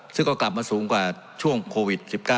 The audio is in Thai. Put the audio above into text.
ซึ่งก็กลับมาสูงกว่าช่วงโควิด๑๙